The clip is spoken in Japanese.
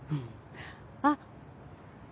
あっ！